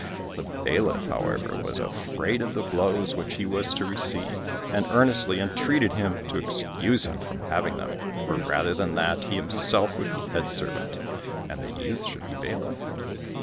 The bailiff, however, was afraid of the blows which he was to receive, and earnestly entreated him to excuse him from having them; for rather than that, he himself would be head servant, and the youth should be bailiff.